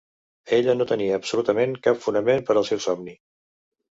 Ella no tenia absolutament cap fonament per al seu somni.